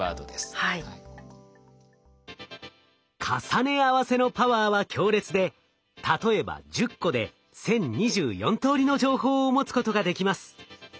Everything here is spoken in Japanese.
重ね合わせのパワーは強烈で例えば１０個で１，０２４通りの情報を持つことができます。